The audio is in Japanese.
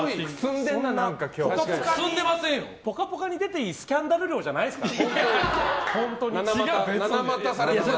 「ぽかぽか」に出ていいスキャンダル量じゃないですから。